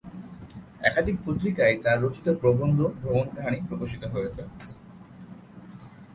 একাধিক পত্রিকায় তার রচিত প্রবন্ধ, ভ্রমণকাহিনী প্রকাশিত হয়েছে।